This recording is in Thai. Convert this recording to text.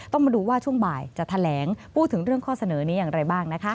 ต้องมาดูว่าช่วงบ่ายจะแถลงพูดถึงเรื่องข้อเสนอนี้อย่างไรบ้างนะคะ